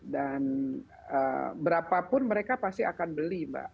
dan berapapun mereka pasti akan beli mbak